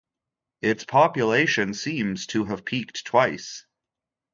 Its population seems to have peaked twice.